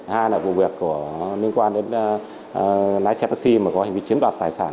hai là vụ việc liên quan đến lái xe taxi mà có hành vi chiếm đoạt tài sản